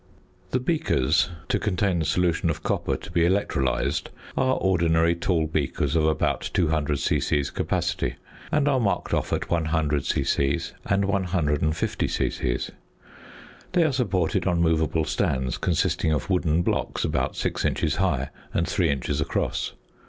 The ~beakers~, to contain the solution of copper to be electrolysed, are ordinary tall beakers of about 200 c.c. capacity, and are marked off at 100 c.c. and 150 c.c. They are supported on movable stands, consisting of wooden blocks about six inches high and three inches across.